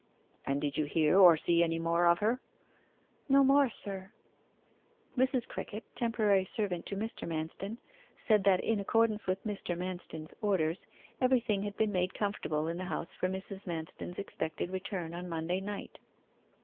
'And did you hear or see any more of her?' 'No more, sir.' Mrs. Crickett, temporary servant to Mr. Manston, said that in accordance with Mr. Manston's orders, everything had been made comfortable in the house for Mrs. Manston's expected return on Monday night.